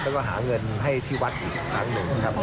แล้วก็หาเงินให้ที่วัดอีกครั้งหนึ่งนะครับ